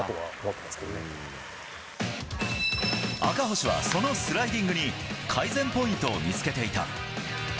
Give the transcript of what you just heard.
赤星は、そのスライディングに改善ポイントを見つけていた。